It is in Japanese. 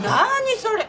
それ。